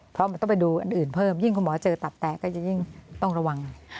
เพราะมันต้องไปดูอันอื่นเพิ่มยิ่งคุณหมอเจอตับแตกก็จะยิ่งต้องระวัง